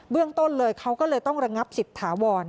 เรื่องต้นเลยเขาก็เลยต้องระงับสิทธิ์ถาวร